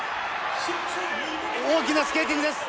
大きなスケーティングです。